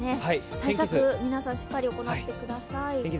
対策、皆さん、しっかり行ってください。